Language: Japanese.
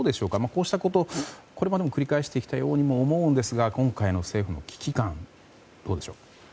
こうしたことをこれまでも繰り返してきたと思うんですが今回の政府の危機感どうでしょう。